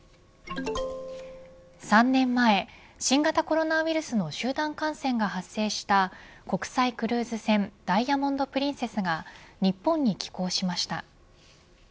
３年前、新型コロナウイルスの集団感染が発生した国際クルーズ船ダイヤモンド・プリンセスが日本に寄港しました。